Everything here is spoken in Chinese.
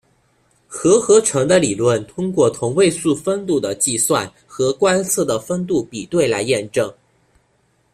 核合成的理论通过同位素丰度的计算和观测的丰度比对来验证。